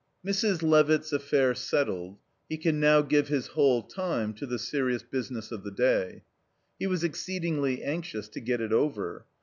3 Mrs. Levitt's affair settled, he could now give his whole time to the serious business of the day. He was exceedingly anxious to get it over.